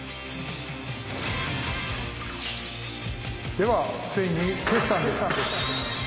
ではついに決算です！